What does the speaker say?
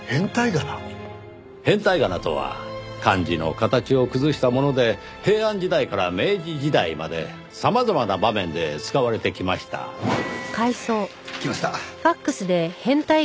変体仮名とは漢字の形を崩したもので平安時代から明治時代まで様々な場面で使われてきました。来ました。